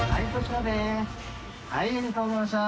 呂ありがとうございました。